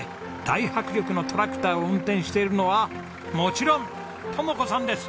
大迫力のトラクターを運転しているのはもちろん智子さんです。